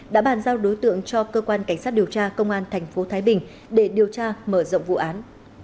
đã bàn giao đối tượng cho cơ quan cảnh sát điều tra công an tp thái bình để điều tra mở rộng vụ án